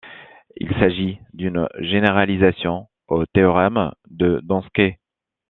Il s'agit d'une généralisation au théorème de Donsker.